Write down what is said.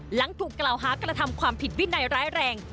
หลังถูกกล่าวหากระทำความผิดวินัยร้ายแรง